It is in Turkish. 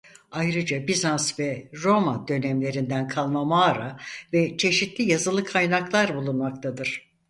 Ayrıca Bizans ve Roma dönemlerinden kalma mağara ve çeşitli yazılı kaynaklar bulunmaktadır.